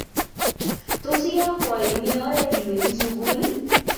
Tos iyakwo imi oret iwendi sukul